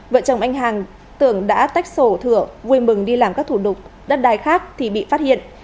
vợ chồng anh hàng tưởng đã tách sổ thửa vui mừng đi làm các thủ tục đất đai khác thì bị phát hiện